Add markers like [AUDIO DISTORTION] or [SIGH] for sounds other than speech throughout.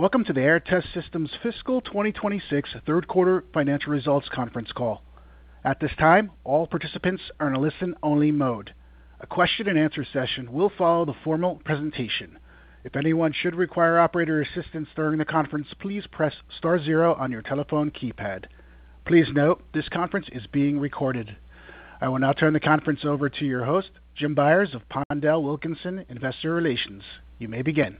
Welcome to the Aehr Test Systems fiscal 2026 third quarter financial results conference call. At this time, all participants are in a listen-only mode. A question and answer session will follow the formal presentation. If anyone should require operator assistance during the conference, please press star zero on your telephone keypad. Please note this conference is being recorded. I will now turn the conference over to your host, Jim Byers of Pondel Wilkinson Investor Relations. You may begin.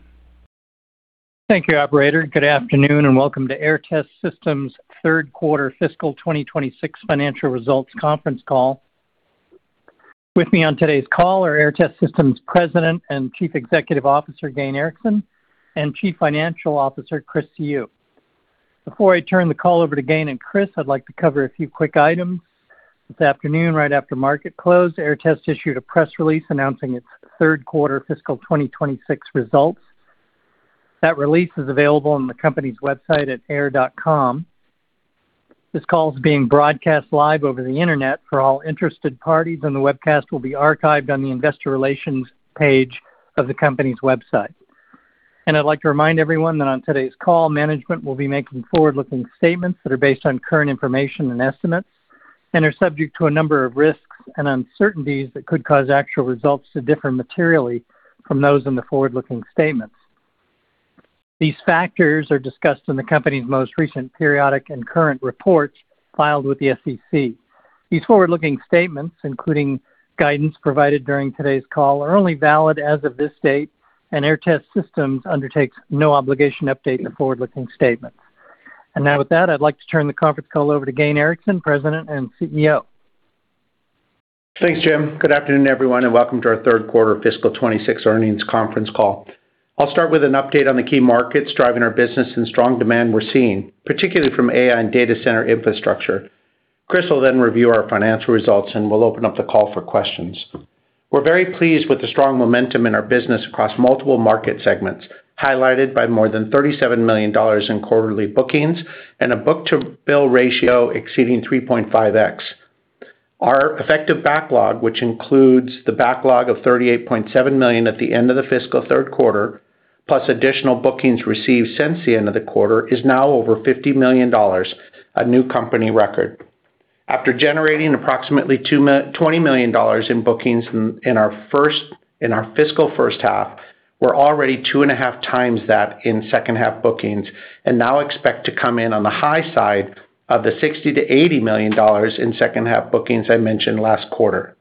Thank you, operator. Good afternoon, and welcome to Aehr Test Systems' third quarter fiscal 2026 financial results conference call. With me on today's call are Aehr Test Systems' President and Chief Executive Officer, Gayn Erickson, and Chief Financial Officer, Chris Siu. Before I turn the call over to Gayn and Chris, I'd like to cover a few quick items. This afternoon, right after market close, Aehr Test issued a press release announcing its third quarter fiscal 2026 results. That release is available on the company's website at aehr.com. This call is being broadcast live over the Internet for all interested parties, and the webcast will be archived on the investor relations page of the company's website. I'd like to remind everyone that on today's call, management will be making forward-looking statements that are based on current information and estimates and are subject to a number of risks and uncertainties that could cause actual results to differ materially from those in the forward-looking statements. These factors are discussed in the company's most recent periodic and current reports filed with the SEC. These forward-looking statements, including guidance provided during today's call, are only valid as of this date, and Aehr Test Systems undertakes no obligation to update the forward-looking statements. Now with that, I'd like to turn the conference call over to Gayn Erickson, President and CEO. Thanks, Jim. Good afternoon, everyone, and welcome to our third quarter fiscal 2026 earnings conference call. I'll start with an update on the key markets driving our business and strong demand we're seeing, particularly from AI and data center infrastructure. Chris will then review our financial results, and we'll open up the call for questions. We're very pleased with the strong momentum in our business across multiple market segments, highlighted by more than $37 million in quarterly bookings and a book-to-bill ratio exceeding 3.5x. Our effective backlog, which includes the backlog of $38.7 million at the end of the fiscal third quarter, plus additional bookings received since the end of the quarter, is now over $50 million, a new company record. After generating approximately $20 million in bookings in our fiscal first half, we're already 2.5x that in second half bookings and now expect to come in on the high side of the $60 million-$80 million in second half bookings I mentioned last quarter.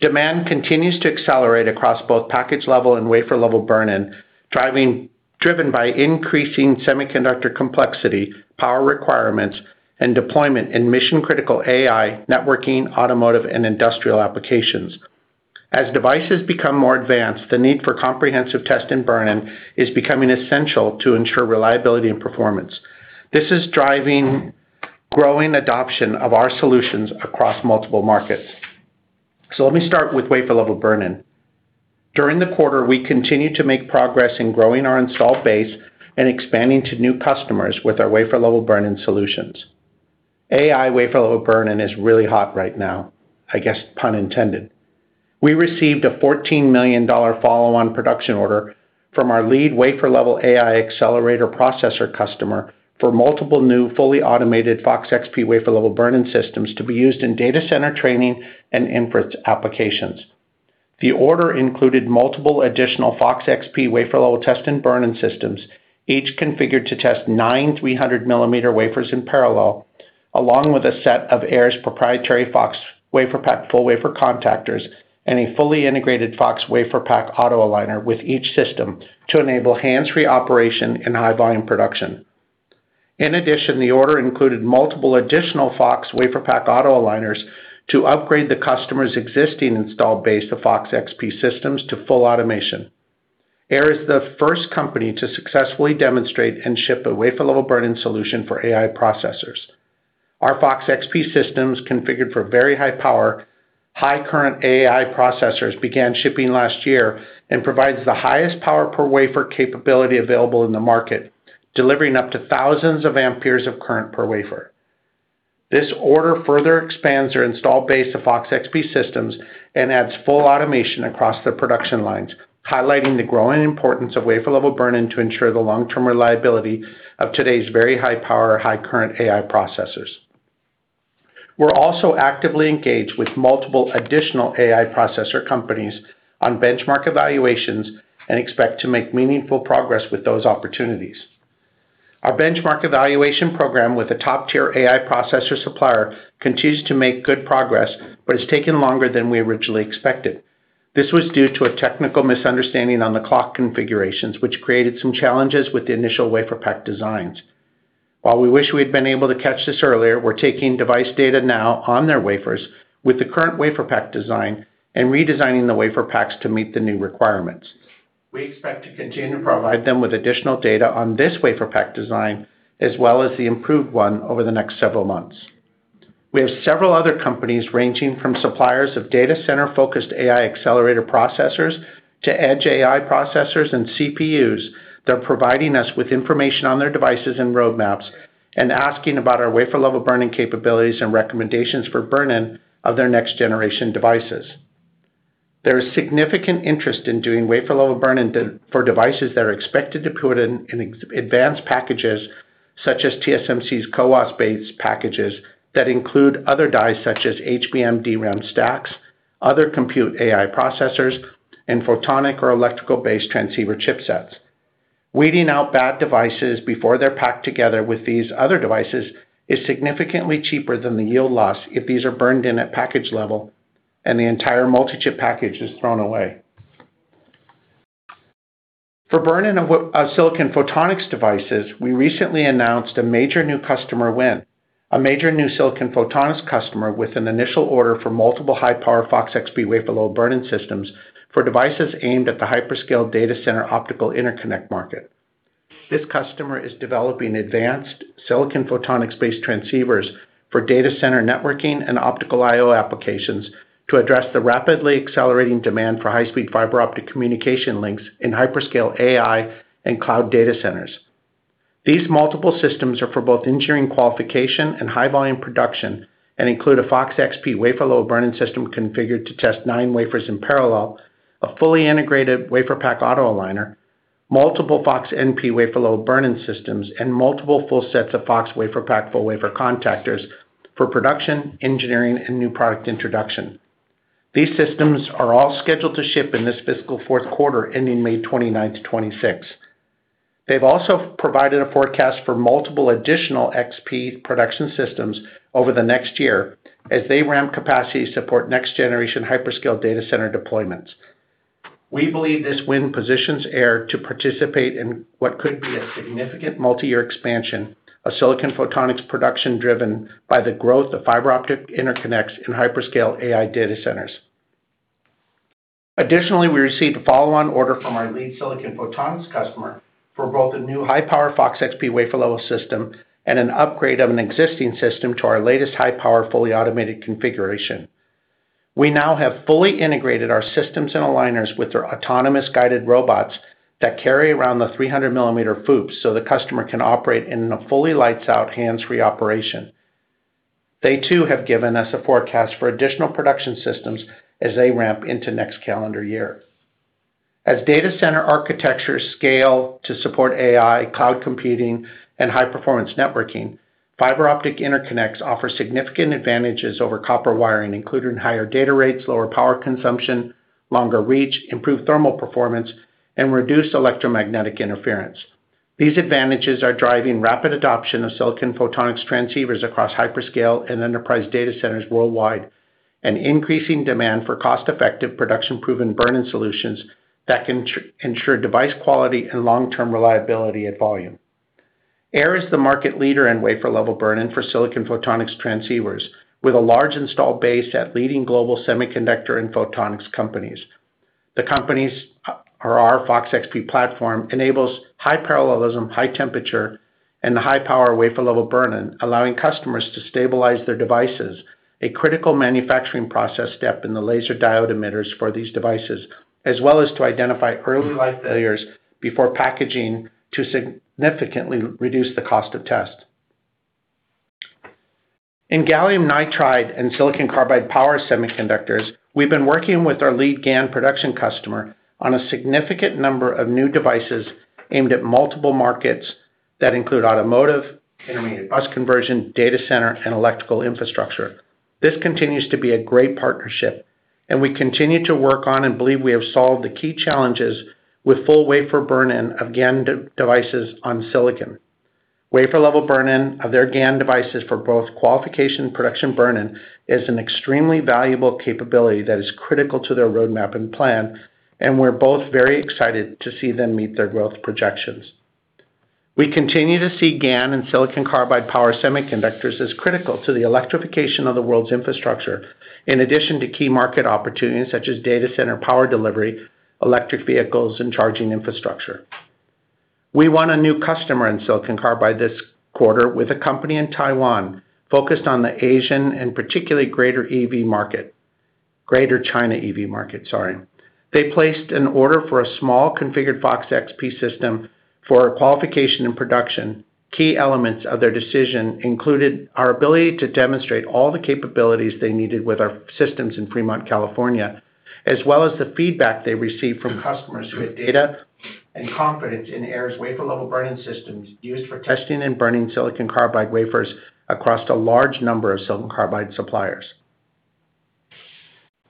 Demand continues to accelerate across both package level and wafer level burn-in, driven by increasing semiconductor complexity, power requirements, and deployment in mission-critical AI, networking, automotive, and industrial applications. As devices become more advanced, the need for comprehensive test and burn-in is becoming essential to ensure reliability and performance. This is driving growing adoption of our solutions across multiple markets. Let me start with wafer level burn-in. During the quarter, we continued to make progress in growing our installed base and expanding to new customers with our wafer level burn-in solutions. AI wafer level burn-in is really hot right now, I guess pun intended. We received a $14 million follow-on production order from our lead wafer level AI accelerator processor customer for multiple new fully automated FOX-XP wafer level burn-in systems to be used in data center training and inference applications. The order included multiple additional FOX-XP wafer level test and burn-in systems, each configured to test nine 300 mm wafers in parallel, along with a set of Aehr's proprietary FOX WaferPak full wafer contactors and a fully integrated FOX WaferPak Auto Aligner with each system to enable hands-free operation and high volume production. In addition, the order included multiple additional FOX WaferPak Auto Aligners to upgrade the customer's existing installed base of FOX-XP systems to full automation. Aehr is the first company to successfully demonstrate and ship a wafer level burn-in solution for AI processors. Our FOX-XP systems, configured for very high power, high current AI processors, began shipping last year and provides the highest power per wafer capability available in the market, delivering up to thousands of amperes of current per wafer. This order further expands our installed base of FOX-XP systems and adds full automation across the production lines, highlighting the growing importance of wafer level burn-in to ensure the long-term reliability of today's very high power, high current AI processors. We're also actively engaged with multiple additional AI processor companies on benchmark evaluations and expect to make meaningful progress with those opportunities. Our benchmark evaluation program with a top-tier AI processor supplier continues to make good progress but has taken longer than we originally expected. This was due to a technical misunderstanding on the clock configurations, which created some challenges with the initial WaferPak designs. While we wish we'd been able to catch this earlier, we're taking device data now on their wafers with the current WaferPak design and redesigning the WaferPaks to meet the new requirements. We expect to continue to provide them with additional data on this WaferPak design, as well as the improved one over the next several months. We have several other companies, ranging from suppliers of data center-focused AI accelerator processors to edge AI processors and CPUs that are providing us with information on their devices and roadmaps and asking about our wafer level burn-in capabilities and recommendations for burn-in of their next-generation devices. There is significant interest in doing wafer level burn-in for devices that are expected to put in advanced packages, such as TSMC's CoWoS-based packages that include other dies such as HBM, DRAM stacks, other compute AI processors, and photonic or electrical-based transceiver chipsets. Weeding out bad devices before they're packed together with these other devices is significantly cheaper than the yield loss if these are burned in at package level and the entire multi-chip package is thrown away. For burn-in of silicon photonics devices, we recently announced a major new customer win, a major new silicon photonics customer with an initial order for multiple high-power FOX-XP wafer-level burn-in systems for devices aimed at the hyperscale data center optical interconnect market. This customer is developing advanced silicon photonics-based transceivers for data center networking and optical I/O applications to address the rapidly accelerating demand for high-speed fiber optic communication links in hyperscale AI and cloud data centers. These multiple systems are for both engineering qualification and high-volume production and include a FOX-XP wafer-level burn-in system configured to test nine wafers in parallel, a fully integrated WaferPak Auto Aligner, multiple FOX-NP wafer-level burn-in systems, and multiple full sets of FOX WaferPak full-wafer contactors for production, engineering, and new product introduction. These systems are all scheduled to ship in this fiscal fourth quarter, ending May 29th, 2026. They've also provided a forecast for multiple additional XP production systems over the next year as they ramp capacity to support next generation hyperscale data center deployments. We believe this win positions Aehr to participate in what could be a significant multi-year expansion of silicon photonics production, driven by the growth of fiber optic interconnects in hyperscale AI data centers. Additionally, we received a follow-on order from our lead silicon photonics customer for both a new high-power FOX-XP WaferPak system and an upgrade of an existing system to our latest high-power, fully automated configuration. We now have fully integrated our systems and aligners with their autonomous guided robots that carry around the 300 mm FOUPs so the customer can operate in a fully lights out, hands-free operation. They too, have given us a forecast for additional production systems as they ramp into next calendar year. As data center architectures scale to support AI, cloud computing, and high-performance networking, fiber optic interconnects offer significant advantages over copper wiring, including higher data rates, lower power consumption, longer reach, improved thermal performance, and reduced electromagnetic interference. These advantages are driving rapid adoption of silicon photonics transceivers across hyperscale and enterprise data centers worldwide, and increasing demand for cost-effective, production-proven burn-in solutions that can ensure device quality and long-term reliability at volume. Aehr is the market leader in wafer level burn-in for silicon photonics transceivers, with a large installed base at leading global semiconductor and photonics companies. The company’s or our FOX-XP platform enables high parallelism, high temperature, and the high power wafer level burn-in, allowing customers to stabilize their devices, a critical manufacturing process step in the laser diode emitters for these devices, as well as to identify early life failures before packaging to significantly reduce the cost of test. In gallium nitride and silicon carbide power semiconductors, we’ve been working with our lead GaN production customer on a significant number of new devices aimed at multiple markets that include automotive, [AUDIO DISTORTION] bus conversion, data center, and electrical infrastructure. This continues to be a great partnership, and we continue to work on and believe we have solved the key challenges with full wafer burn-in of GaN devices on silicon. Wafer level burn-in of their GaN devices for both qualification and production burn-in is an extremely valuable capability that is critical to their roadmap and plan, and we're both very excited to see them meet their growth projections. We continue to see GaN and silicon carbide power semiconductors as critical to the electrification of the world's infrastructure, in addition to key market opportunities such as data center power delivery, electric vehicles, and charging infrastructure. We won a new customer in silicon carbide this quarter with a company in Taiwan focused on the Asian and particularly greater EV market. Greater China EV market, sorry. They placed an order for a small configured FOX-XP system for qualification and production. Key elements of their decision included our ability to demonstrate all the capabilities they needed with our systems in Fremont, California, as well as the feedback they received from customers who have data and confidence in Aehr's wafer level burn-in systems used for testing and burning silicon carbide wafers across a large number of silicon carbide suppliers.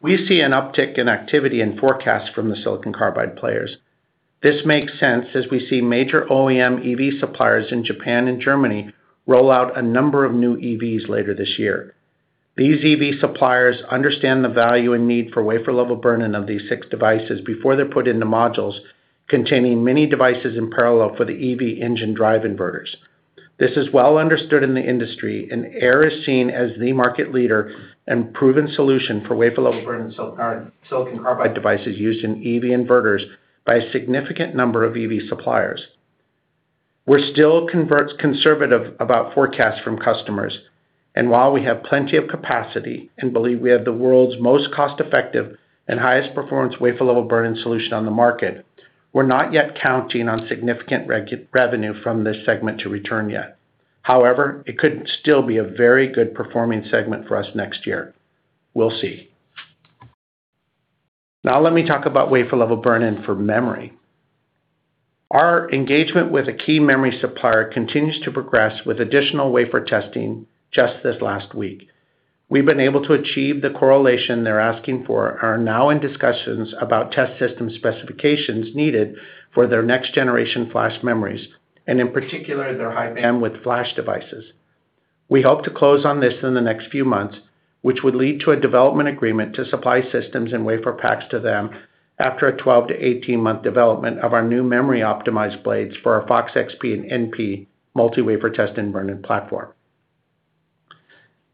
We see an uptick in activity and forecast from the silicon carbide players. This makes sense as we see major OEM EV suppliers in Japan and Germany roll out a number of new EVs later this year. These EV suppliers understand the value and need for wafer level burn-in of these six devices before they're put into modules containing many devices in parallel for the EV engine drive inverters. This is well understood in the industry, and Aehr is seen as the market leader and proven solution for wafer level burn-in silicon carbide devices used in EV inverters by a significant number of EV suppliers. We're still conservative about forecasts from customers, and while we have plenty of capacity and believe we have the world's most cost-effective and highest performance wafer level burn-in solution on the market, we're not yet counting on significant revenue from this segment to return yet. However, it could still be a very good performing segment for us next year. We'll see. Now let me talk about wafer-level burn-in for memory. Our engagement with a key memory supplier continues to progress with additional wafer testing just this last week. We've been able to achieve the correlation they're asking for and are now in discussions about test system specifications needed for their next generation flash memories, and in particular, their high-bandwidth flash devices. We hope to close on this in the next few months, which would lead to a development agreement to supply systems and WaferPaks to them after a 12-18 month development of our new memory-optimized blades for our FOX-XP and NP multi-wafer test and burn-in platform.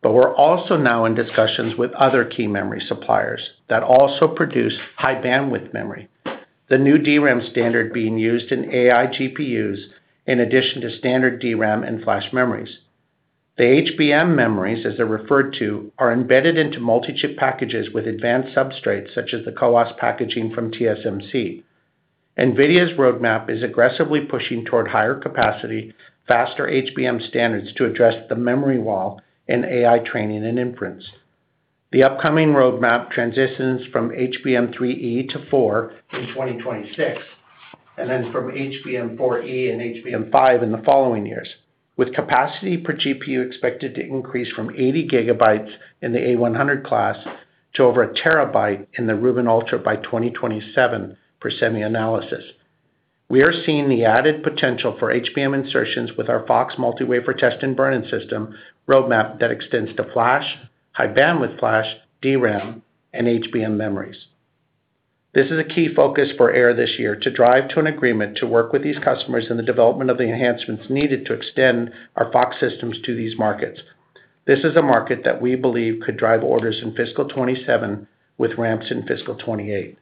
We're also now in discussions with other key memory suppliers that also produce high-bandwidth memory, the new DRAM standard being used in AI GPUs in addition to standard DRAM and flash memories. The HBM memories, as they're referred to, are embedded into multi-chip packages with advanced substrates such as the CoWoS packaging from TSMC. NVIDIA's roadmap is aggressively pushing toward higher capacity, faster HBM standards to address the memory wall in AI training and inference. The upcoming roadmap transitions from HBM3E to 4 in 2026, and then from HBM4E and HBM5 in the following years, with capacity per GPU expected to increase from 80 GB in the A100 class to over 1 TB in the Rubin Ultra by 2027 per SemiAnalysis. We are seeing the added potential for HBM insertions with our FOX multi-wafer test and burn-in system roadmap that extends to flash, High Bandwidth Flash, DRAM, and HBM memories. This is a key focus for Aehr this year, to drive to an agreement to work with these customers in the development of the enhancements needed to extend our FOX systems to these markets. This is a market that we believe could drive orders in fiscal 2027 with ramps in fiscal 2028.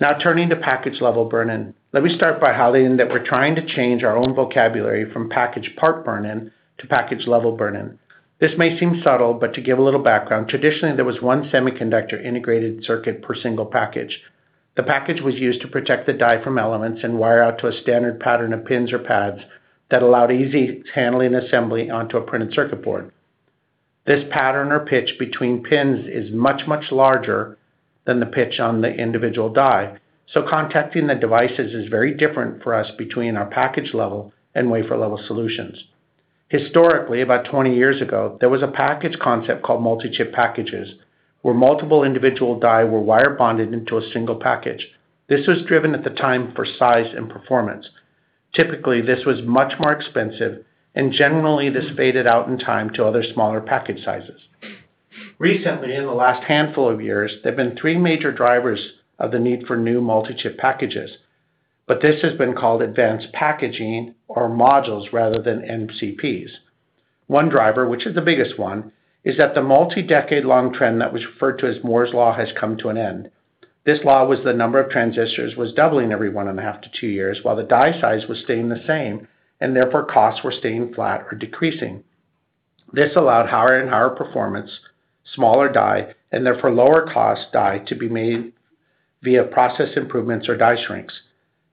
Now turning to package-level burn-in. Let me start by highlighting that we're trying to change our own vocabulary from package part burn-in to package-level burn-in. This may seem subtle, but to give a little background, traditionally there was one semiconductor integrated circuit per single package. The package was used to protect the die from elements and wire out to a standard pattern of pins or pads that allowed easy handling assembly onto a printed circuit board. This pattern or pitch between pins is much, much larger than the pitch on the individual die, so contacting the devices is very different for us between our package-level and wafer-level solutions. Historically, about 20 years ago, there was a package concept called multi-chip packages, where multiple individual die were wire bonded into a single package. This was driven at the time for size and performance. Typically, this was much more expensive and generally this faded out in time to other smaller package sizes. Recently, in the last handful of years, there have been three major drivers of the need for new multi-chip packages, but this has been called advanced packaging or modules rather than MCPs. One driver, which is the biggest one, is that the multi-decade long trend that was referred to as Moore's Law has come to an end. This law was the number of transistors was doubling every 1.5-2 years, while the die size was staying the same, and therefore costs were staying flat or decreasing. This allowed higher and higher performance, smaller die, and therefore lower cost die to be made via process improvements or die shrinks.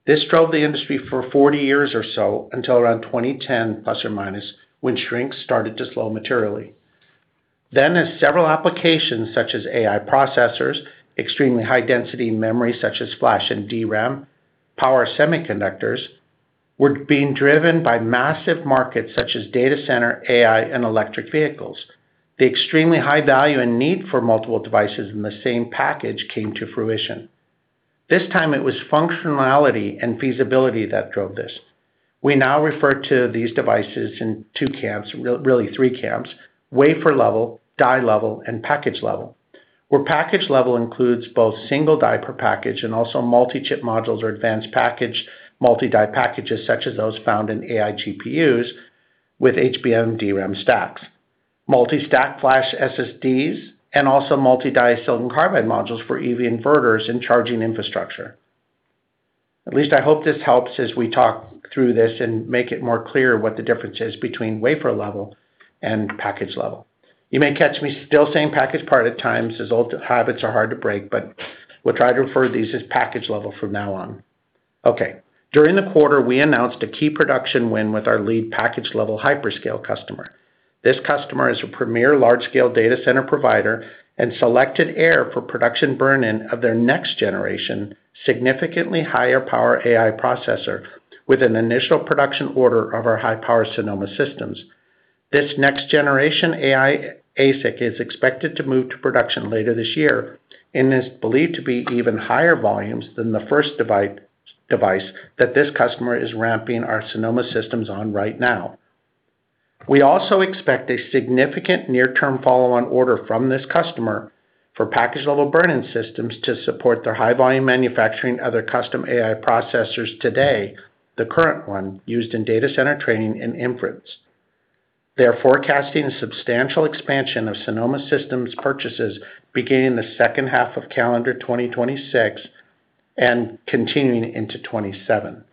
This drove the industry for 40 years or so until around 2010, plus or minus, when shrinks started to slow materially. As several applications such as AI processors, extremely high-density memory such as flash and DRAM, power semiconductors, were being driven by massive markets such as data center, AI, and electric vehicles. The extremely high value and need for multiple devices in the same package came to fruition. This time it was functionality and feasibility that drove this. We now refer to these devices in two camps, really three camps, wafer level, die level, and package level, where package level includes both single die per package and also multi-chip modules or advanced package multi-die packages such as those found in AI GPUs with HBM DRAM stacks. Multi-stack flash SSDs and also multi-die silicon carbide modules for EV inverters and charging infrastructure. At least I hope this helps as we talk through this and make it more clear what the difference is between wafer level and package level. You may catch me still saying package part at times, as old habits are hard to break, but we'll try to refer to these as package level from now on. Okay. During the quarter, we announced a key production win with our lead package level hyperscale customer. This customer is a premier large-scale data center provider and selected Aehr for production burn-in of their next generation, significantly higher power AI processor with an initial production order of our high-power Sonoma systems. This next generation AI ASIC is expected to move to production later this year and is believed to be even higher volumes than the first device that this customer is ramping our Sonoma systems on right now. We also expect a significant near-term follow-on order from this customer for package level burn-in systems to support their high volume manufacturing of their custom AI processors today, the current one used in data center training and inference. They are forecasting a substantial expansion of Sonoma systems purchases beginning the second half of calendar 2026 and continuing into 2027.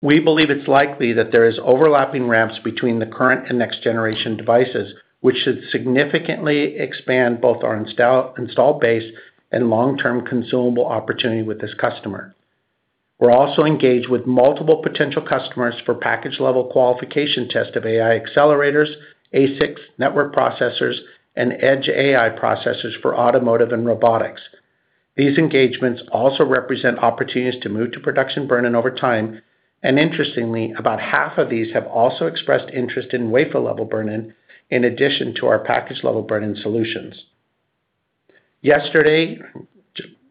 We believe it's likely that there is overlapping ramps between the current and next generation devices, which should significantly expand both our installed base and long-term consumable opportunity with this customer. We're also engaged with multiple potential customers for package level qualification test of AI accelerators, ASICs, network processors, and edge AI processors for automotive and robotics. These engagements also represent opportunities to move to production burn-in over time, and interestingly, about half of these have also expressed interest in wafer-level burn-in in addition to our package-level burn-in solutions. Yesterday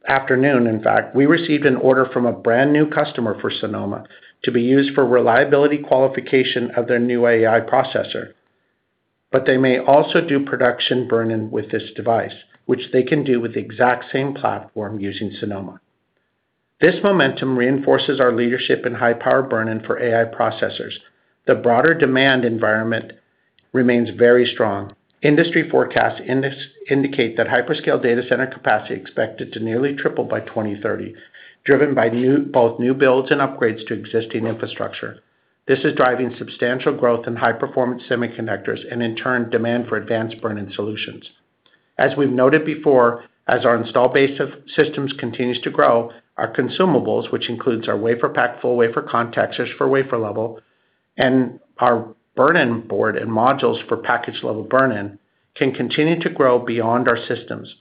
afternoon, in fact, we received an order from a brand-new customer for Sonoma to be used for reliability qualification of their new AI processor, but they may also do production burn-in with this device, which they can do with the exact same platform using Sonoma. This momentum reinforces our leadership in high-power burn-in for AI processors. The broader demand environment remains very strong. Industry forecasts indicate that hyperscale data center capacity is expected to nearly triple by 2030, driven by both new builds and upgrades to existing infrastructure. This is driving substantial growth in high-performance semiconductors and in turn, demand for advanced burn-in solutions. As we've noted before, as our installed base of systems continues to grow, our consumables, which includes our WaferPak, full wafer contactors for wafer level, and our burn-in board and modules for package-level burn-in, can continue to grow beyond our systems.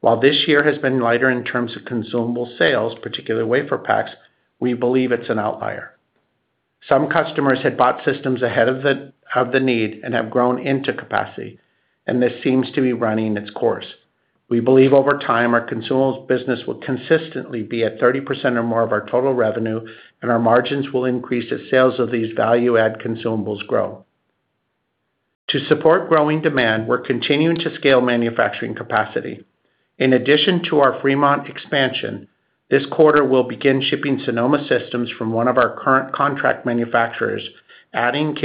While this year has been lighter in terms of consumable sales, particularly WaferPaks, we believe it's an outlier. Some customers had bought systems ahead of the need and have grown into capacity, and this seems to be running its course. We believe over time, our consumables business will consistently be at 30% or more of our total revenue, and our margins will increase as sales of these value-add consumables grow. To support growing demand, we're continuing to scale manufacturing capacity. In addition to our Fremont expansion, this quarter we'll begin shipping Sonoma systems from one of our current contract manufacturers, adding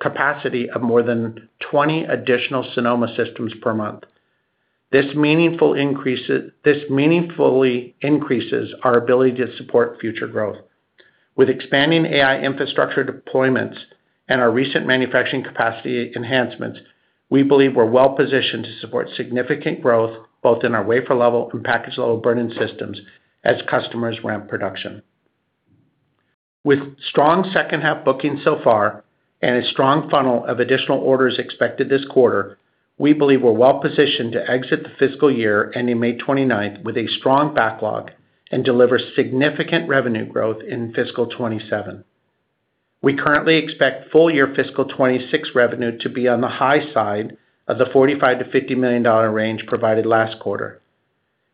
capacity of more than 20 additional Sonoma systems per month. This meaningfully increases our ability to support future growth. With expanding AI infrastructure deployments and our recent manufacturing capacity enhancements, we believe we're well positioned to support significant growth both in our wafer-level and package-level burn-in systems as customers ramp production. With strong second half bookings so far and a strong funnel of additional orders expected this quarter, we believe we're well positioned to exit the fiscal year ending May 29th with a strong backlog and deliver significant revenue growth in fiscal 2027. We currently expect full-year fiscal 2026 revenue to be on the high side of the $45 million-$50 million range provided last quarter.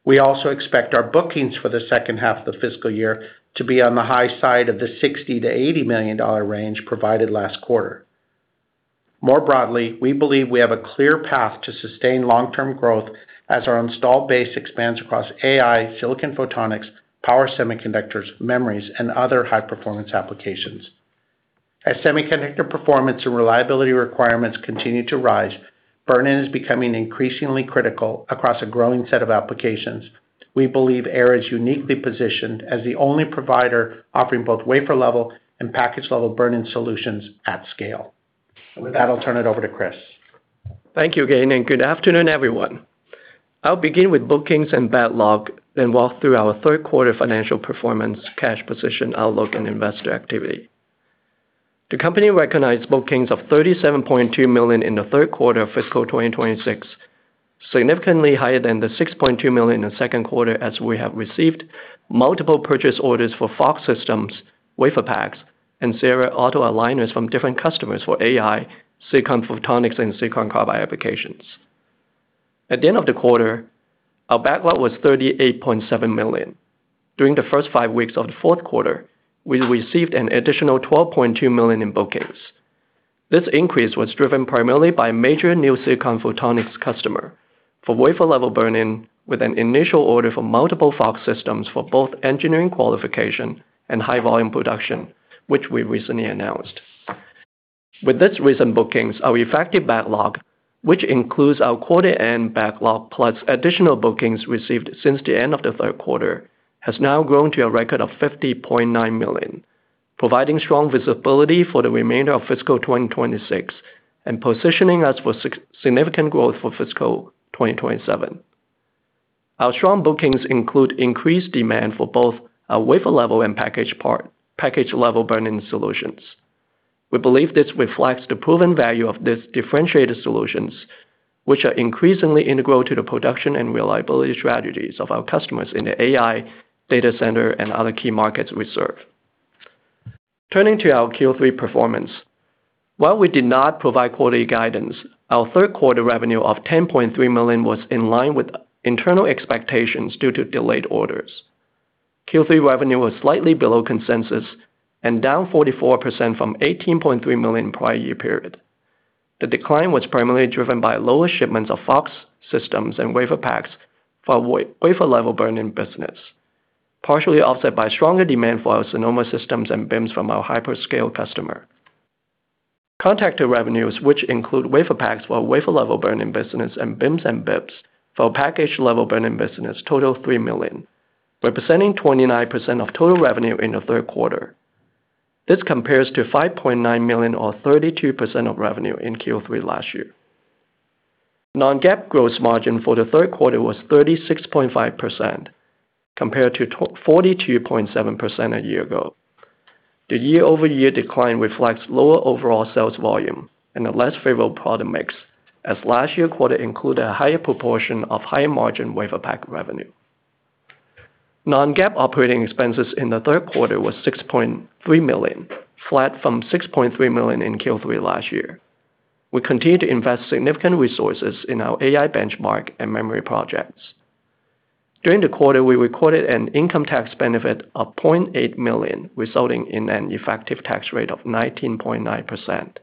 We also expect our bookings for the second half of the fiscal year to be on the high side of the $60 million-$80 million range provided last quarter. More broadly, we believe we have a clear path to sustain long-term growth as our installed base expands across AI, silicon photonics, power semiconductors, memories, and other high-performance applications. As semiconductor performance and reliability requirements continue to rise, burn-in is becoming increasingly critical across a growing set of applications. We believe Aehr is uniquely positioned as the only provider offering both wafer-level and package-level burn-in solutions at scale. With that, I'll turn it over to Chris. Thank you Gayn, and good afternoon, everyone. I'll begin with bookings and backlog, then walk through our third quarter financial performance, cash position, outlook, and investor activity. The company recognized bookings of $37.2 million in the third quarter of fiscal 2026, significantly higher than the $6.2 million in the second quarter, as we have received multiple purchase orders for FOX systems, WaferPaks, and [AUDIO DISTORTION] Auto Aligners from different customers for AI, silicon photonics, and silicon carbide applications. At the end of the quarter, our backlog was $38.7 million. During the first five weeks of the fourth quarter, we received an additional $12.2 million in bookings. This increase was driven primarily by a major new silicon photonics customer for wafer-level burn-in with an initial order for multiple FOX systems for both engineering qualification and high volume production, which we recently announced. With this recent bookings, our effective backlog, which includes our quarter end backlog plus additional bookings received since the end of the third quarter, has now grown to a record of $50.9 million, providing strong visibility for the remainder of fiscal 2026 and positioning us for significant growth for fiscal 2027. Our strong bookings include increased demand for both our wafer-level and package-level burn-in solutions. We believe this reflects the proven value of these differentiated solutions, which are increasingly integral to the production and reliability strategies of our customers in the AI, data center, and other key markets we serve. Turning to our Q3 performance. While we did not provide quarterly guidance, our third quarter revenue of $10.3 million was in line with internal expectations due to delayed orders. Q3 revenue was slightly below consensus and down 44% from $18.3 million prior year period. The decline was primarily driven by lower shipments of FOX systems and WaferPaks for our wafer-level burn-in business, partially offset by stronger demand for our Sonoma systems and BIMs from our hyperscale customer. Contactor revenues, which include WaferPaks for our wafer-level burn-in business, and BIMs and BIBs for our package-level burn-in business, total $3 million, representing 29% of total revenue in the third quarter. This compares to $5.9 million or 32% of revenue in Q3 last year. Non-GAAP gross margin for the third quarter was 36.5%, compared to 42.7% a year ago. The year-over-year decline reflects lower overall sales volume and a less favorable product mix, as last year's quarter included a higher proportion of high-margin WaferPak revenue. Non-GAAP operating expenses in the third quarter was $6.3 million, flat from $6.3 million in Q3 last year. We continue to invest significant resources in our AI benchmark and memory projects. During the quarter, we recorded an income tax benefit of $0.8 million, resulting in an effective tax rate of 19.9%.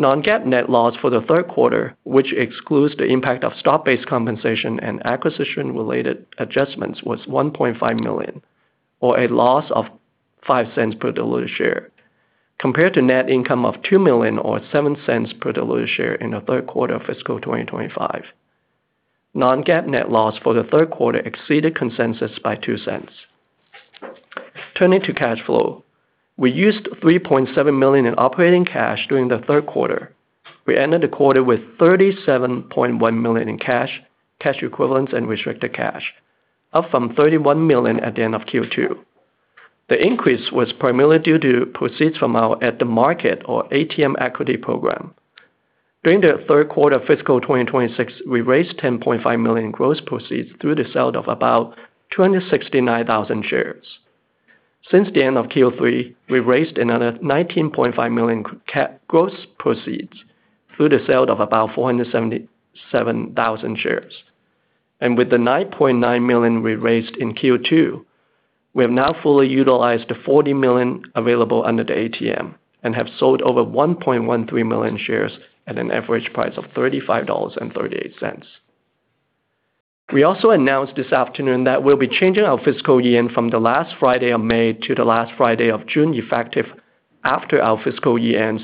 Non-GAAP net loss for the third quarter, which excludes the impact of stock-based compensation and acquisition-related adjustments, was $1.5 million, or a loss of $0.05 per diluted share, compared to net income of $2 million or $0.07 per diluted share in the third quarter of fiscal 2025. Non-GAAP net loss for the third quarter exceeded consensus by $0.02. Turning to cash flow. We used $3.7 million in operating cash during the third quarter. We ended the quarter with $37.1 million in cash equivalents, and restricted cash, up from $31 million at the end of Q2. The increase was primarily due to proceeds from our at-the-market, or ATM equity program. During the third quarter of fiscal 2026, we raised $10.5 million in gross proceeds through the sale of about 269,000 shares. Since the end of Q3, we've raised another $19.5 million gross proceeds through the sale of about 477,000 shares. With the $9.9 million we raised in Q2, we have now fully utilized the $40 million available under the ATM and have sold over 1.13 million shares at an average price of $35.38. We also announced this afternoon that we'll be changing our fiscal year from the last Friday of May to the last Friday of June, effective after our fiscal year ends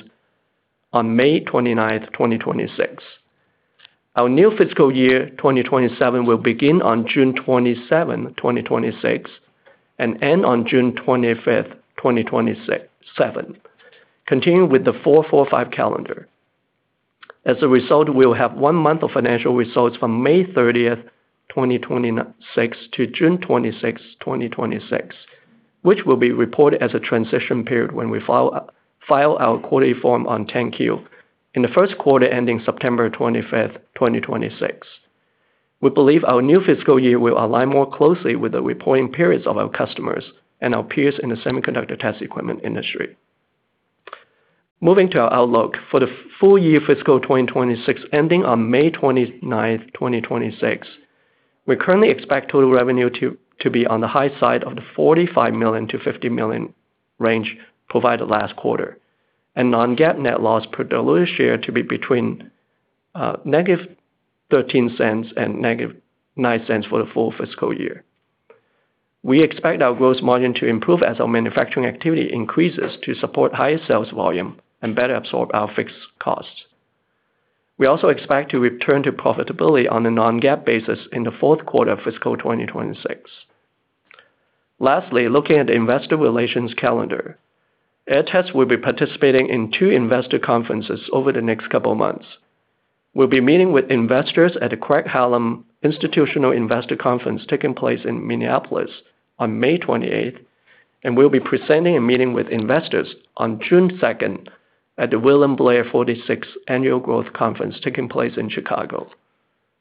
on May 29th, 2026. Our new fiscal year 2027 will begin on June 27th, 2026, and end on June 25th, 2027, continuing with the 4-4-5 calendar. As a result, we will have one month of financial results from May 30th, 2026 to June 26th, 2026, which will be reported as a transition period when we file our Form 10-Q in the first quarter ending September 25th, 2026. We believe our new fiscal year will align more closely with the reporting periods of our customers and our peers in the semiconductor test equipment industry. Moving to our outlook. For the full year fiscal 2026 ending on May 29th, 2026, we currently expect total revenue to be on the high side of the $45 million-$50 million range provided last quarter, and non-GAAP net loss per diluted share to be between -$0.13 and -$0.09 for the full fiscal year. We expect our gross margin to improve as our manufacturing activity increases to support higher sales volume and better absorb our fixed costs. We also expect to return to profitability on a non-GAAP basis in the fourth quarter of fiscal 2026. Lastly, looking at the investor relations calendar, Aehr Test will be participating in two investor conferences over the next couple of months. We'll be meeting with investors at the Craig-Hallum Institutional Investor Conference taking place in Minneapolis on May 28th, and we'll be presenting a meeting with investors on June 2nd at the William Blair 46th Annual Growth Conference taking place in Chicago.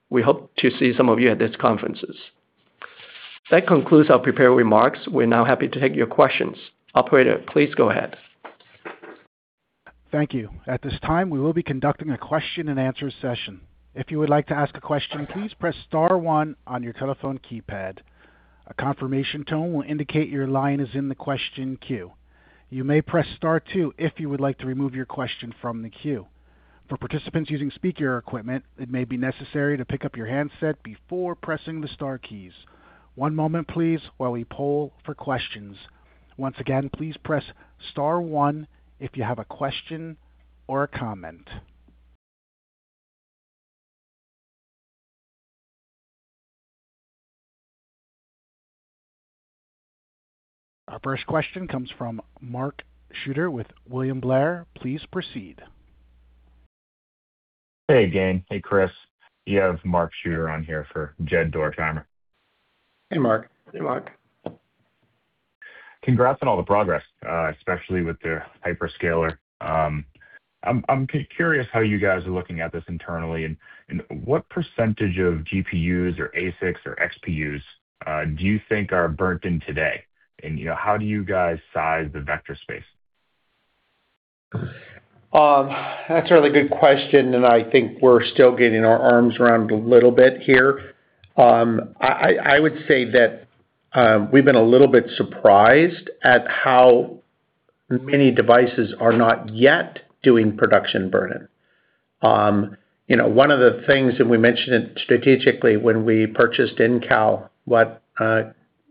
We hope to see some of you at these conferences. That concludes our prepared remarks. We're now happy to take your questions. Operator, please go ahead. Thank you. At this time, we will be conducting a question and answer session. If you would like to ask a question, please press star one on your telephone keypad. A confirmation tone will indicate your line is in the question queue. You may press star two if you would like to remove your question from the queue. For participants using speaker equipment, it may be necessary to pick up your handset before pressing the star keys. One moment, please, while we poll for questions. Once again, please press star one if you have a question or a comment. Our first question comes from Mark Shooter with William Blair. Please proceed. Hey, gang. Hey, Chris. You have Mark Shooter on here for Jed Dorsheimer. Hey, Mark. Hey, Mark. Congrats on all the progress, especially with the hyperscaler. I'm curious how you guys are looking at this internally and what percentage of GPUs or ASICs or XPUs do you think are burnt in today? How do you guys size the vector space? That's a really good question, and I think we're still getting our arms around it a little bit here. I would say that we've been a little bit surprised at how many devices are not yet doing production burn-in. One of the things that we mentioned strategically when we purchased Incal, what,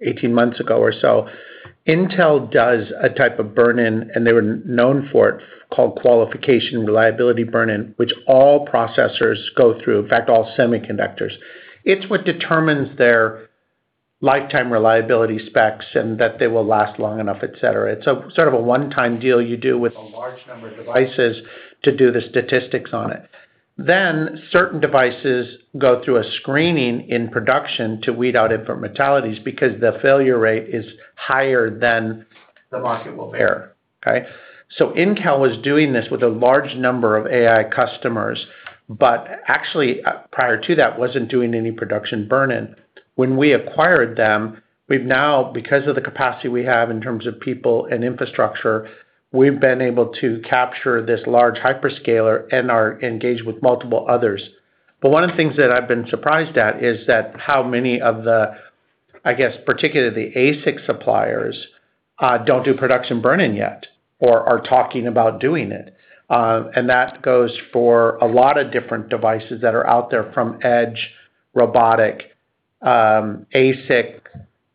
18 months ago or so, Incal does a type of burn-in, and they were known for it, called qualification reliability burn-in, which all processors go through. In fact, all semiconductors. It's what determines their. Lifetime reliability specs and that they will last long enough, et cetera. It's sort of a one-time deal you do with a large number of devices to do the statistics on it. Certain devices go through a screening in production to weed out infant mortalities because the failure rate is higher than the market will bear. Incal was doing this with a large number of AI customers, but actually prior to that, wasn't doing any production burn-in. When we acquired them, we've now, because of the capacity we have in terms of people and infrastructure, we've been able to capture this large hyperscaler and are engaged with multiple others. One of the things that I've been surprised at is that how many of the, I guess, particularly the ASIC suppliers, don't do production burn-in yet or are talking about doing it. That goes for a lot of different devices that are out there from edge, robotic, ASIC,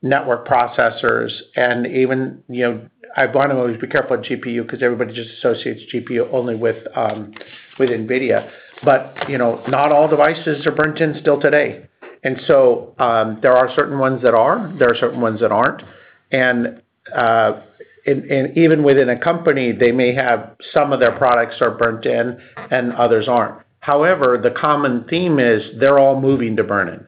network processors, and even, I want to always be careful on GPU because everybody just associates GPU only with NVIDIA, but not all devices are burned in still today. There are certain ones that are, there are certain ones that aren't. Even within a company, they may have some of their products are burned in and others aren't. However, the common theme is they're all moving to burn-in.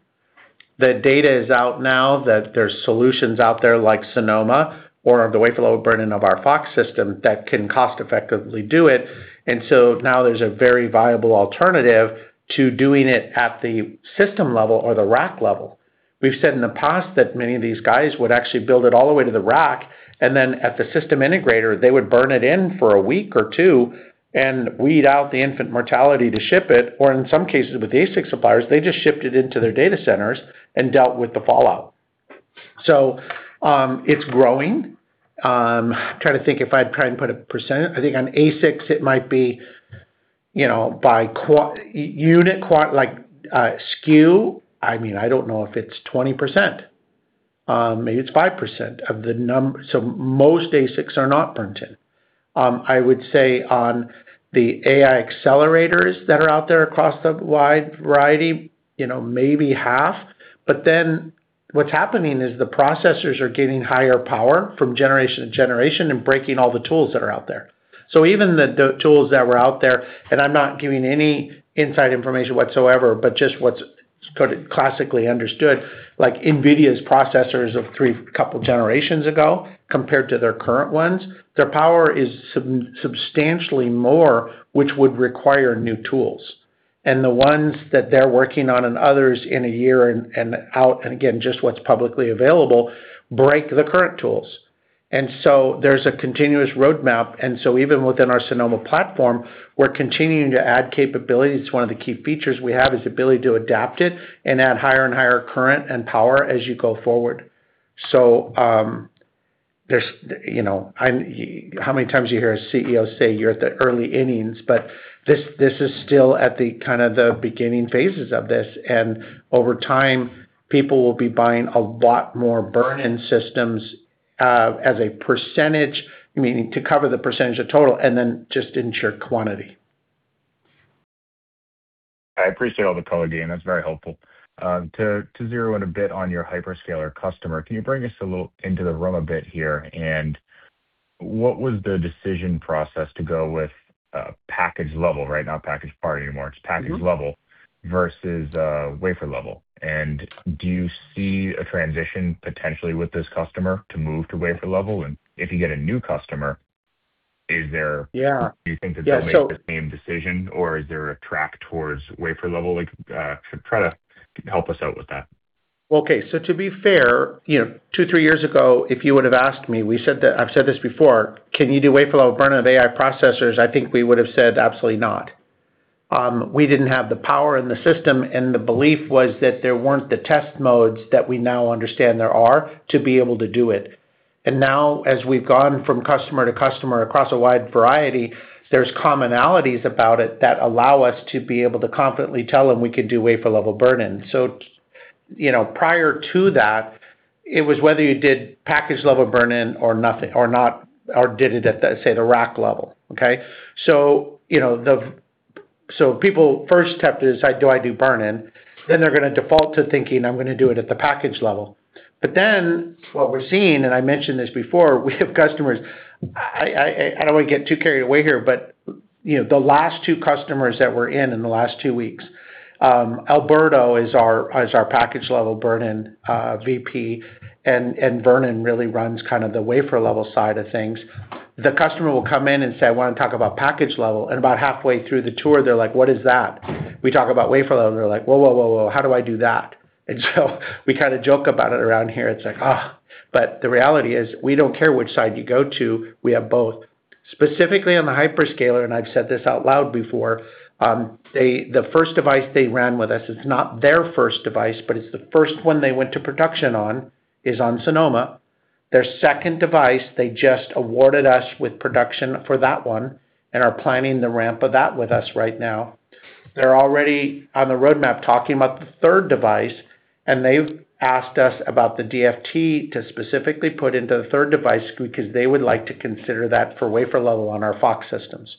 The data is out now that there's solutions out there like Sonoma or the WaferPak for low burn-in of our FOX system that can cost-effectively do it. Now there's a very viable alternative to doing it at the system level or the rack level. We've said in the past that many of these guys would actually build it all the way to the rack, and then at the system integrator, they would burn it in for a week or two and weed out the infant mortality to ship it, or in some cases with ASIC suppliers, they just shipped it into their data centers and dealt with the fallout. It's growing. I'm trying to think if I'd try and put a percentage. I think on ASICs, it might be by unit, like SKU, I mean, I don't know if it's 20%. Maybe it's 5% of the number. Most ASICs are not burned in. I would say on the AI accelerators that are out there across the wide variety, maybe half. What's happening is the processors are getting higher power from generation to generation and breaking all the tools that are out there. Even the tools that were out there, and I'm not giving any inside information whatsoever, but just what's sort of classically understood, like NVIDIA's processors of couple generations ago compared to their current ones, their power is substantially more, which would require new tools. The ones that they're working on and others in a year and out, and again, just what's publicly available, break the current tools. There's a continuous roadmap, and so even within our Sonoma platform, we're continuing to add capabilities. It's one of the key features we have is ability to adapt it and add higher and higher current and power as you go forward. How many times you hear a CEO say you're at the early innings, but this is still at the kind of the beginning phases of this, and over time, people will be buying a lot more burn-in systems, as a percentage, meaning to cover the percentage of total and then just ensure quantity. I appreciate all the color, Dean. That's very helpful. To zero in a bit on your hyperscaler customer, can you bring us a little into the room a bit here and what was the decision process to go with package level, right? Not wafer level anymore, it's package level versus wafer level. Do you see a transition potentially with this customer to move to wafer level? If you get a new customer, do you think that they'll make the same decision or is there a track towards wafer level? Like, try to help us out with that. Okay. To be fair, two, three years ago, if you would have asked me, I've said this before, can you do wafer level burn of AI processors? I think we would have said absolutely not. We didn't have the power in the system, and the belief was that there weren't the test modes that we now understand there are to be able to do it. Now as we've gone from customer to customer across a wide variety, there's commonalities about it that allow us to be able to confidently tell them we can do wafer level burn-in. Prior to that, it was whether you did package level burn-in or nothing, or not, or did it at the, say, the rack level. People first have to decide, do I do burn-in? Then they're going to default to thinking I'm going to do it at the package level. What we're seeing, and I mentioned this before, we have customers. I don't want to get too carried away here, but the last two customers that were in the last two weeks, Alberto is our package level burn-in VP, and Vernon really runs kind of the wafer level side of things. The customer will come in and say, "I want to talk about package level." About halfway through the tour, they're like, "What is that?" We talk about wafer level, and they're like, "Whoa, how do I do that?" We kind of joke about it around here. It's like. But the reality is, we don't care which side you go to, we have both. Specifically on the hyperscaler, and I've said this out loud before, the first device they ran with us, it's not their first device, but it's the first one they went to production on, is on Sonoma. Their second device, they just awarded us with production for that one and are planning the ramp of that with us right now. They're already on the roadmap talking about the third device, and they've asked us about the DFT to specifically put into the third device because they would like to consider that for wafer level on our FOX systems.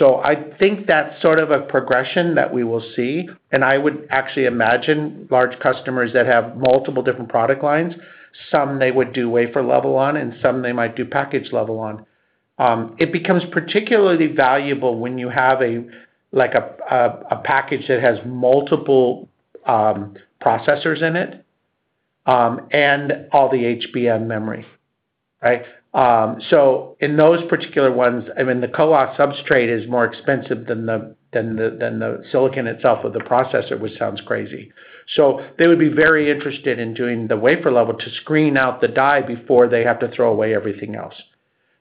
I think that's sort of a progression that we will see, and I would actually imagine large customers that have multiple different product lines, some they would do wafer level on, and some they might do package level on. It becomes particularly valuable when you have a package that has multiple processors in it, and all the HBM memory. In those particular ones, I mean the CoWoS substrate is more expensive than the silicon itself of the processor, which sounds crazy. They would be very interested in doing the wafer level to screen out the die before they have to throw away everything else.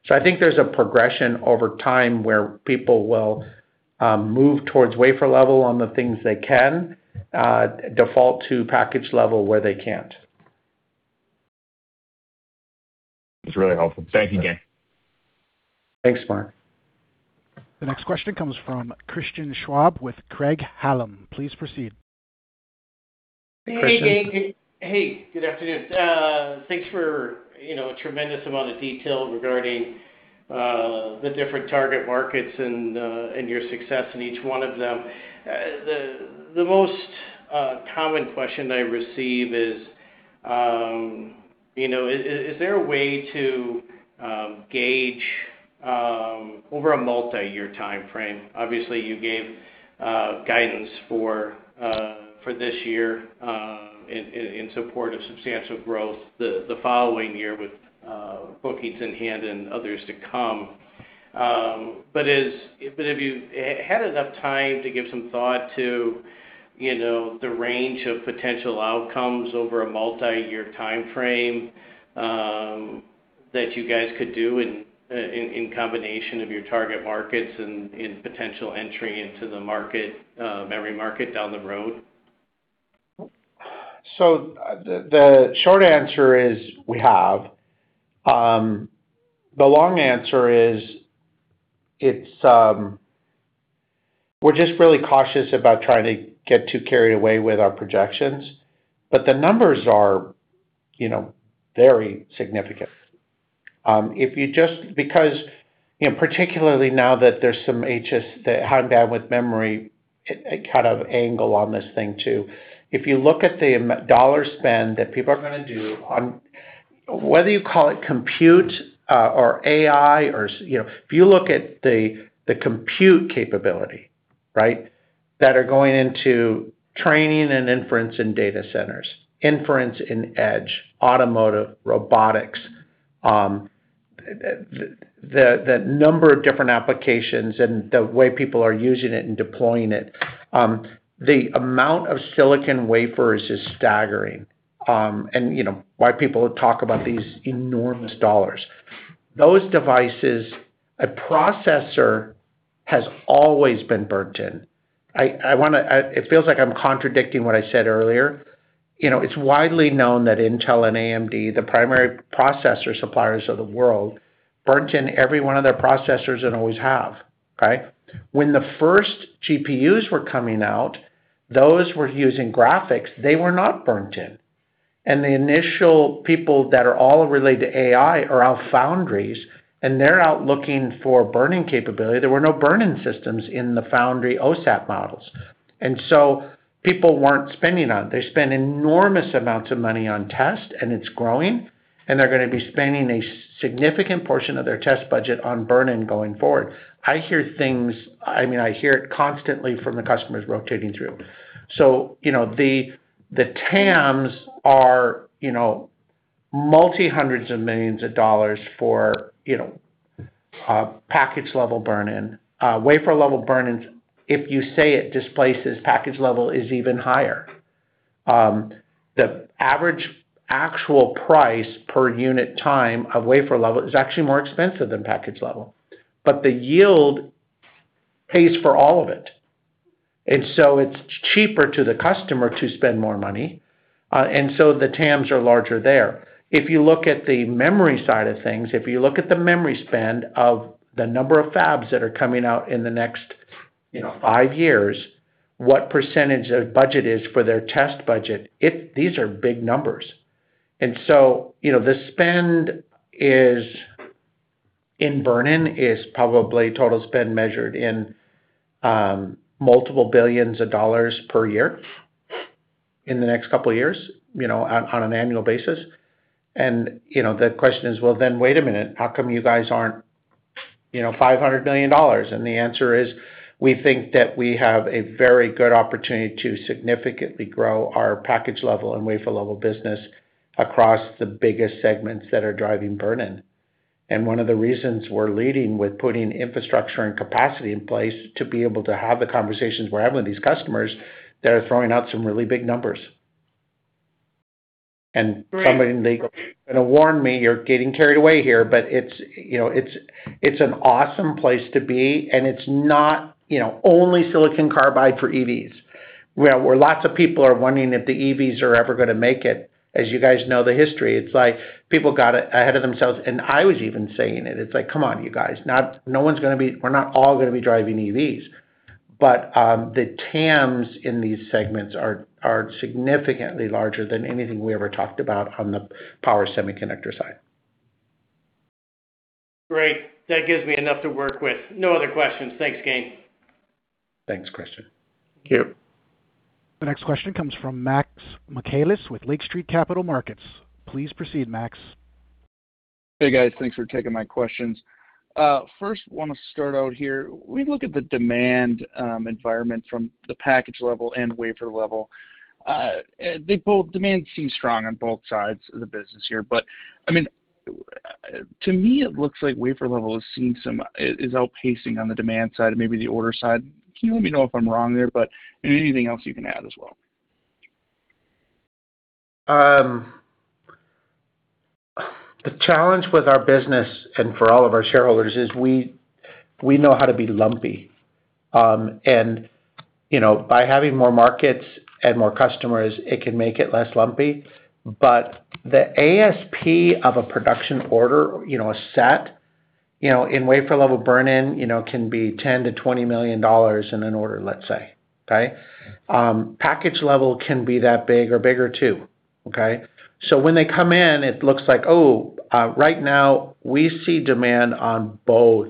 So I think there's a progression over time where people will move towards wafer level on the things they can, default to package level where they can't. It's really helpful. Thank you, Gayn. Thanks, Mark. The next question comes from Christian Schwab with Craig-Hallum. Please proceed. Christian. Hey, Gayn. Hey, good afternoon. Thanks for tremendous amount of detail regarding the different target markets and your success in each one of them. The most common question that I receive is there a way to gauge, over a multi-year timeframe, obviously, you gave guidance for this year in support of substantial growth the following year with bookings in hand and others to come. Have you had enough time to give some thought to the range of potential outcomes over a multi-year timeframe, that you guys could do in combination of your target markets and in potential entry into the memory market down the road? So the short answer is, we have. The long answer is, we're just really cautious about trying to get too carried away with our projections. But the numbers are very significant. Particularly now that there's some [AUDIO DISTORTION] with memory, kind of angle on this thing, too. If you look at the dollar spend that people are going to do on whether you call it compute or AI or. If you look at the compute capability that are going into training and inference in data centers, inference in edge, automotive, robotics, the number of different applications and the way people are using it and deploying it, the amount of silicon wafers is staggering. Why people talk about these enormous dollars. Those devices, a processor, has always been burnt in. It feels like I'm contradicting what I said earlier. It's widely known that Intel and AMD, the primary processor suppliers of the world, burned in every one of their processors and always have. When the first GPUs were coming out, those were using graphics, they were not burnt in. The initial people that are all related to AI are foundries, and they're out looking for burn-in capability. There were no burn-in systems in the foundry OSAT models. People weren't spending on it. They spend enormous amounts of money on test, and it's growing, and they're going to be spending a significant portion of their test budget on burn-in going forward. I hear it constantly from the customers rotating through. The TAMs are multi-hundreds of millions of dollars for package level burn-in. Wafer level burn-in, if you say it displaces package level, is even higher. The average actual price per unit time of wafer level is actually more expensive than package level. The yield pays for all of it. It's cheaper to the customer to spend more money, and so the TAMs are larger there. If you look at the memory side of things, if you look at the memory spend of the number of fabs that are coming out in the next five years, what percentage of budget is for their test budget, these are big numbers. The spend in burn-in probably total spend measured in multiple billions of dollars per year in the next couple of years on an annual basis. The question is, well, then, wait a minute. How come you guys aren't $500 million? The answer is, we think that we have a very good opportunity to significantly grow our package level and wafer level business across the biggest segments that are driving burn-in. One of the reasons we're leading with putting infrastructure and capacity in place to be able to have the conversations we're having with these customers, they're throwing out some really big numbers. Somebody, they're going to warn me, you're getting carried away here, but it's an awesome place to be, and it's not only silicon carbide for EVs where lots of people are wondering if the EVs are ever going to make it. As you guys know the history, it's like people got ahead of themselves, and I was even saying it. It's like, come on, you guys. We're not all going to be driving EVs. The TAMs in these segments are significantly larger than anything we ever talked about on the power semiconductor side. Great. That gives me enough to work with. No other questions. Thanks, Gayn. Thanks, Christian. Thank you. The next question comes from Max Michaelis with Lake Street Capital Markets. Please proceed, Max. Hey, guys. Thanks for taking my questions. First, I want to start out here. We look at the demand environment from the package level and wafer level. Demand seems strong on both sides of the business here, but to me, it looks like wafer level is outpacing on the demand side and maybe the order side. Can you let me know if I'm wrong there? Anything else you can add as well? The challenge with our business, and for all of our shareholders, is we know how to be lumpy. By having more markets and more customers, it can make it less lumpy. The ASP of a production order, a set, in wafer level burn-in, can be $10 million-$20 million in an order, let's say. Okay? Package level can be that big or bigger, too. Okay? When they come in, it looks like, oh, right now we see demand on both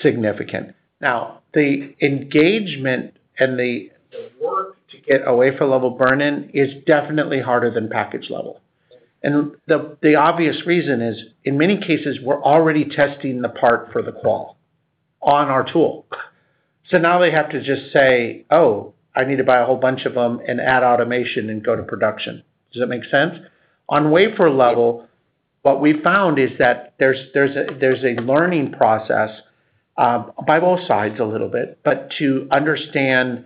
significant. Now, the engagement and the work to get a wafer level burn-in is definitely harder than package level. The obvious reason is, in many cases, we're already testing the part for the qual on our tool. So now they have to just say, "Oh, I need to buy a whole bunch of them and add automation and go to production." Does that make sense? On wafer level, what we've found is that there's a learning process, by both sides a little bit, but to understand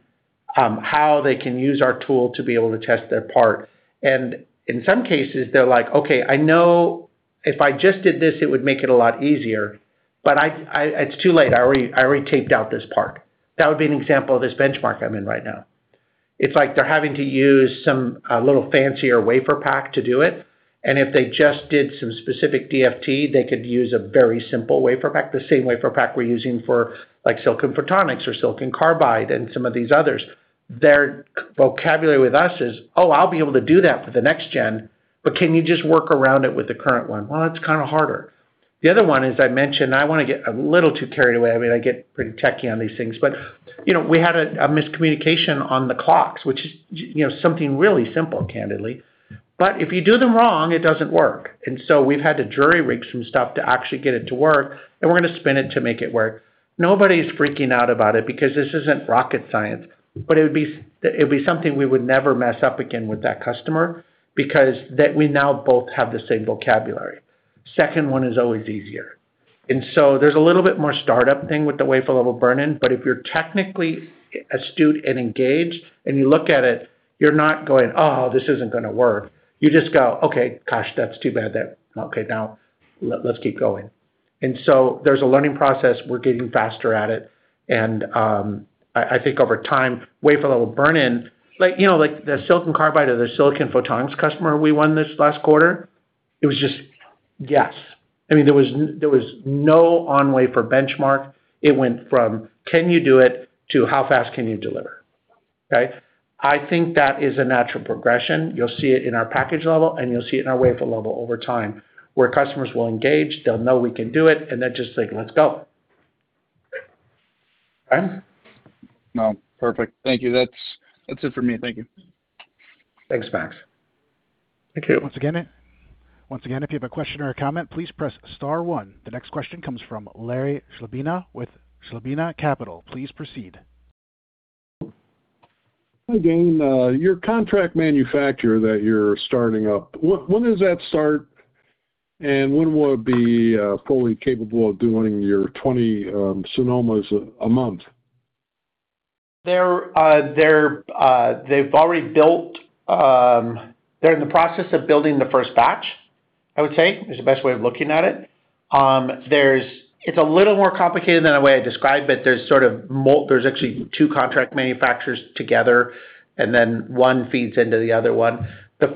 how they can use our tool to be able to test their part. In some cases, they're like, "Okay, I know if I just did this, it would make it a lot easier, but it's too late. I already taped out this part." That would be an example of this benchmark I'm in right now. It's like they're having to use some little fancier WaferPak to do it. If they just did some specific DFT, they could use a very simple WaferPak, the same WaferPak we're using for silicon photonics or silicon carbide and some of these others. Their vocabulary with us is, "Oh, I'll be able to do that for the next gen. Can you just work around it with the current one?" Well, that's kind of harder. The other one, as I mentioned, I don't want to get a little too carried away. I get pretty techy on these things, but we had a miscommunication on the clocks, which is something really simple, candidly. If you do them wrong, it doesn't work. We've had to jury-rig some stuff to actually get it to work, and we're going to spin it to make it work. Nobody's freaking out about it because this isn't rocket science, but it would be something we would never mess up again with that customer because we now both have the same vocabulary. Second one is always easier. There's a little bit more startup thing with the wafer level burn-in. If you're technically astute and engaged and you look at it, you're not going, "Oh, this isn't going to work." You just go, "Okay, gosh, that's too bad. Okay, now let's keep going." There's a learning process. We're getting faster at it. I think over time, wafer level burn-in, like the silicon carbide or the silicon photonics customer we won this last quarter, it was just, yes. There was no on-wafer benchmark. It went from, "Can you do it?" to, "How fast can you deliver?" Okay? I think that is a natural progression. You'll see it in our package level, and you'll see it in our wafer level over time, where customers will engage, they'll know we can do it, and they'll just say, "Let's go."? [AUDIO DISTORTION] No. Perfect. Thank you. That's it for me. Thank you. Thanks, Max. Thank you. Once again, if you have a question or a comment, please press star one. The next question comes from Larry Chlebina with Chlebina Capital. Please proceed. Hi, Gayn. Your contract manufacturer that you're starting up, when does that start, and when will it be fully capable of doing your 20 Sonomas a month? They're in the process of building the first batch. I would say is the best way of looking at it. It's a little more complicated than the way I described, but there's actually two contract manufacturers together, and then one feeds into the other one. The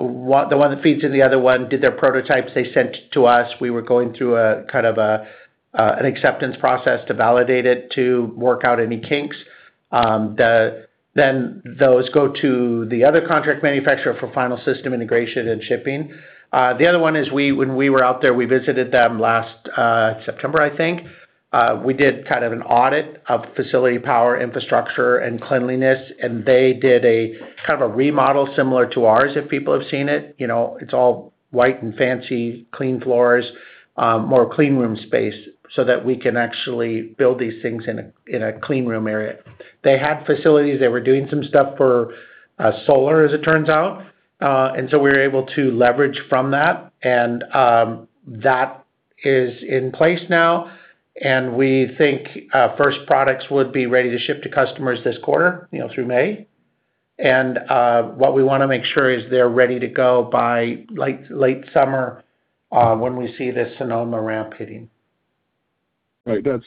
one that feeds into the other one did their prototypes. They sent it to us. We were going through a kind of an acceptance process to validate it, to work out any kinks. Then those go to the other contract manufacturer for final system integration and shipping. The other one is when we were out there. We visited them last September, I think. We did kind of an audit of facility power infrastructure and cleanliness, and they did a kind of a remodel similar to ours, if people have seen it. It's all white and fancy, clean floors, more clean room space so that we can actually build these things in a clean room area. They had facilities. They were doing some stuff for solar, as it turns out. We were able to leverage from that. That is in place now, and we think first products would be ready to ship to customers this quarter, through May. What we want to make sure is they're ready to go by late summer, when we see this Sonoma ramp hitting. Right. That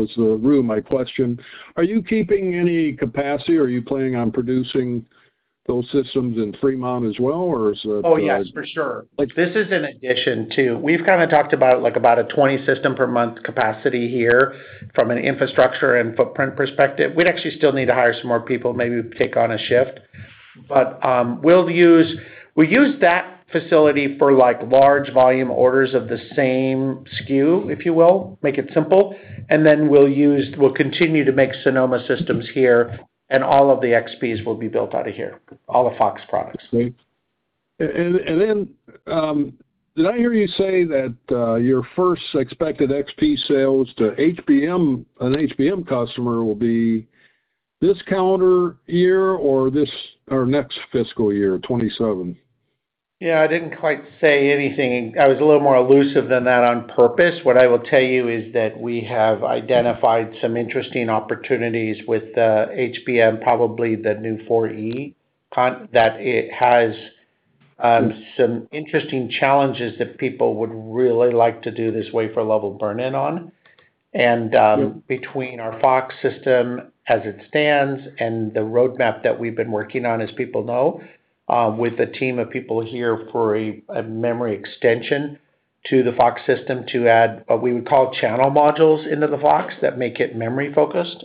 was the root of my question. Are you keeping any capacity? Are you planning on producing those systems in Fremont as well? Or is it? Oh, yes, for sure. This is in addition to. We've kind of talked about a 20 system per month capacity here from an infrastructure and footprint perspective. We'd actually still need to hire some more people, maybe take on a shift. We'll use that facility for large volume orders of the same SKU, if you will, make it simple, and then we'll continue to make Sonoma systems here, and all of the XPs will be built out of here, all the FOX products. Great. Did I hear you say that your first expected XP sales to an HBM customer will be this calendar year or next fiscal year, 2027? Yeah, I didn't quite say anything. I was a little more elusive than that on purpose. What I will tell you is that we have identified some interesting opportunities with HBM, probably the new 4E, that it has some interesting challenges that people would really like to do this wafer-level burn-in on. Between our FOX system as it stands and the roadmap that we've been working on, as people know, with a team of people here for a memory extension to the FOX system to add what we would call channel modules into the FOX that make it memory-focused,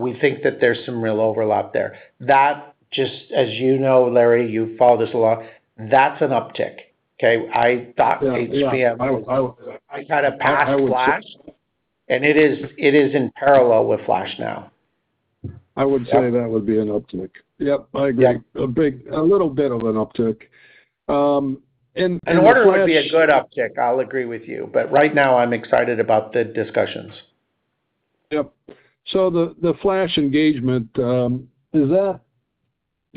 we think that there's some real overlap there. That just, as you know, Larry, you follow this a lot, that's an uptick. Okay? I thought HBM. Yeah. I kind of passed flash. I would. It is in parallel with flash now. I would say that would be an uptick. Yep, I agree. Yeah. A little bit of an uptick. An order would be a good uptick. I'll agree with you, but right now I'm excited about the discussions. Yep. The flash engagement, do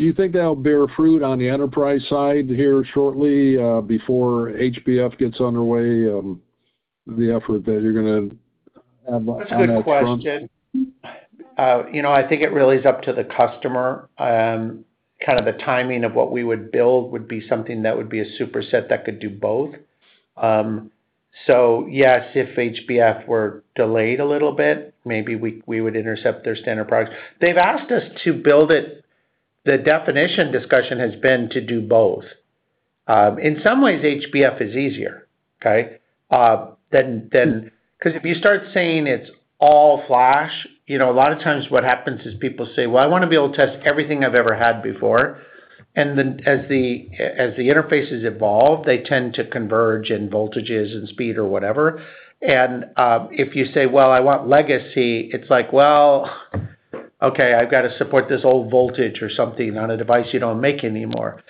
you think that'll bear fruit on the enterprise side here shortly, before HBF gets underway, the effort that you're going to have on that front? That's a good question. I think it really is up to the customer. Kind of the timing of what we would build would be something that would be a superset that could do both. Yes, if HBF were delayed a little bit, maybe we would intercept their standard product. They've asked us to build it. The definition discussion has been to do both. In some ways, HBF is easier, okay? Because if you start saying it's all flash, a lot of times what happens is people say, "Well, I want to be able to test everything I've ever had before." Then as the interfaces evolve, they tend to converge in voltages and speed or whatever. If you say, "Well, I want legacy," it's like, well, okay, I've got to support this old voltage or something on a device you don't make anymore.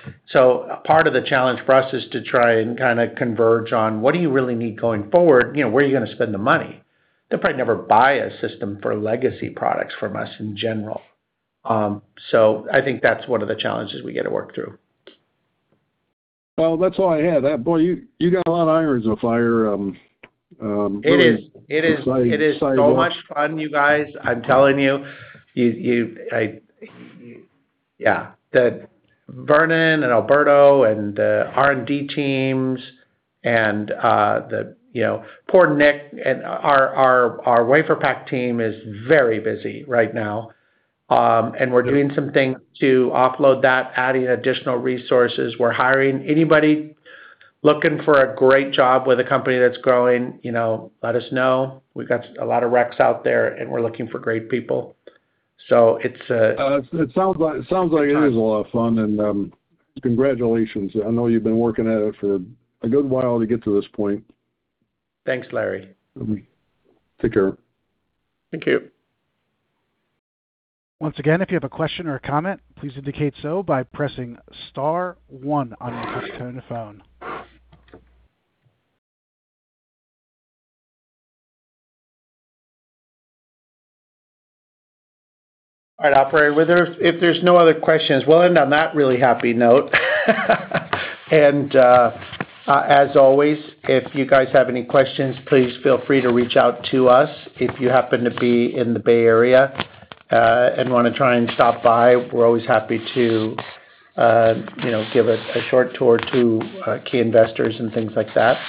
Part of the challenge for us is to try and kind of converge on what do you really need going forward? Where are you going to spend the money? They'll probably never buy a system for legacy products from us in general. I think that's one of the challenges we get to work through. Well, that's all I had. Boy, you got a lot of irons in the fire. It is. Besides. It is so much fun, you guys. I'm telling you. Yeah. Vernon and Alberto and the R&D teams and poor Nick and our WaferPak team is very busy right now. We're doing some things to offload that, adding additional resources. We're hiring. Anybody looking for a great job with a company that's growing, let us know. We've got a lot of recs out there, and we're looking for great people. So it's a. It sounds like it is a lot of fun, and congratulations. I know you've been working at it for a good while to get to this point. Thanks, Larry. Take care. Thank you. Once again, if you have a question or a comment, please indicate so by pressing star one on your touch-tone phone. All right, operator, if there's no other questions, we'll end on that really happy note. As always, if you guys have any questions, please feel free to reach out to us. If you happen to be in the Bay Area and want to try and stop by, we're always happy to give a short tour to key investors and things like that.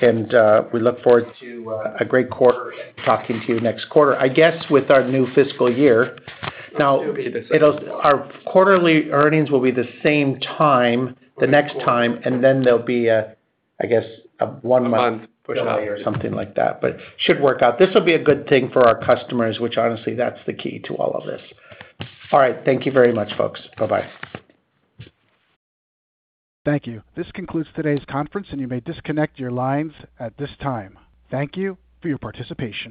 We look forward to a great quarter and talking to you next quarter, I guess, with our new fiscal year. Now, our quarterly earnings will be the same time the next time, and then there'll be, I guess, a one-month. [AUDIO DISTORTION] something like that, but should work out. This will be a good thing for our customers, which honestly, that's the key to all of this. All right. Thank you very much, folks. Bye-bye. Thank you. This concludes today's conference, and you may disconnect your lines at this time. Thank you for your participation.